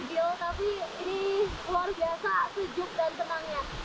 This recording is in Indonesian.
gigi saya sampai bugi gigil tapi ini luar biasa sejuk dan tenangnya